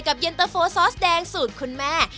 กับเย็นเตอร์โฟร์ซอสแดงสูตรคุณแม่